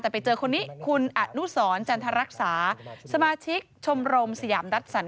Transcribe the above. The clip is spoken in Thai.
แต่ไปเจอคนนี้คุณอนุสรจันทรรักษาสมาชิกชมรมสยามรัฐสรรค